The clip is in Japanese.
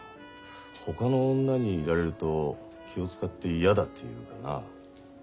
ほかの女にいられると気を遣って嫌だっていうかな。